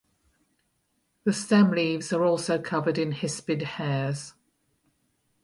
The stem leaves are also covered in hispid hairs.